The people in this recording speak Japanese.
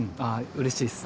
うれしいっす。